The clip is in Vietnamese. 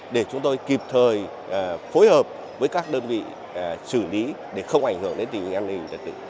để chúng tôi kịp thời phối hợp với các đơn vị xử lý để không ảnh hưởng đến tình hình an ninh trật tự